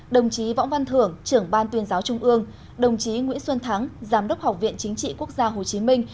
đồng chí võ văn thưởng trưởng ban tuyên giáo trung ương đồng chí nguyễn xuân thắng giám đốc học viện chính trị quốc gia hồ chí minh